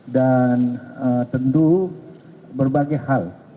dan tentu berbagai hal